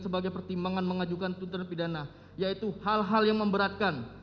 sebagai pertimbangan mengajukan tuntutan pidana yaitu hal hal yang memberatkan